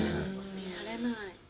見られない。